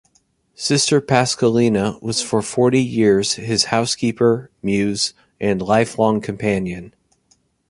Sister Pasqualina was for forty years his "housekeeper, muse and lifelong companion".